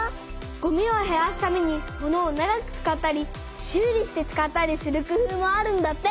ごみをへらすためにものを長く使ったり修理して使ったりする工夫もあるんだって。